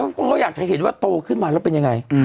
คนก็อยากจะเห็นว่าโตขึ้นมาแล้วเป็นยังไง